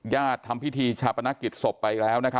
ญาติทำพิธีชาปนกิจสบไปแล้วนะครับ